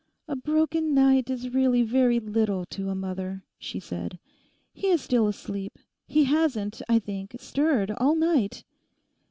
'A broken night is really very little to a mother,' she said. 'He is still asleep. He hasn't, I think, stirred all night.